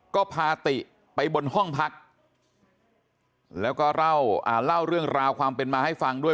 ก็พาติไปบนห้องพักแล้วก็เล่าเรื่องราวความเป็นมาให้ฟังด้วย